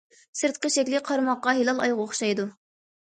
سىرتقى شەكلى قارىماققا ھىلال ئايغا ئوخشايدۇ.